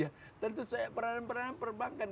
ya tentu saja peranan peranan perbankan